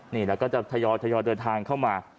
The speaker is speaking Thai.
นี่แล้วก็จะทยอยเดินทางเข้ามา